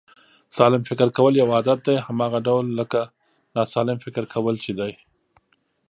سالم فکر کول یو عادت دی، هماغه ډول لکه ناسلم فکر کول چې دی